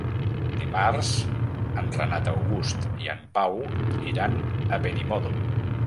Dimarts en Renat August i en Pau iran a Benimodo.